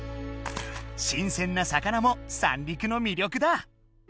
新鮮な魚も三陸の魅力だ！